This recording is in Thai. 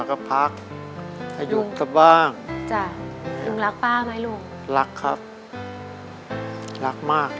ก็พักอายุเขาบ้างจ้ะลุงรักป้าไหมลูกรักครับรักมาก